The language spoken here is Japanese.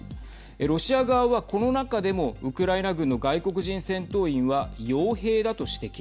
ロシア側は、この中でもウクライナ軍の外国人戦闘員はよう兵だと指摘。